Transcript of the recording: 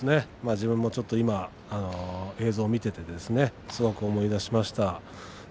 自分もちょっと映像を見ていてすごく思い出しました。